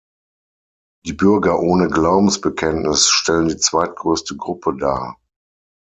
Die Bürger ohne Glaubensbekenntnis stellen die zweitgrößte Gruppe dar.